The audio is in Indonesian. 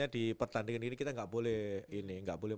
di pertandingan ini kita enggak boleh